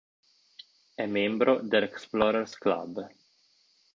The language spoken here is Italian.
È membro dell'Explorers Club.